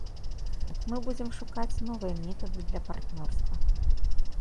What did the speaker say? Мы будзем шукаць новыя метады для партнёрства.